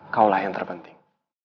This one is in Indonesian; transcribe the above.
kaulah yang terpenting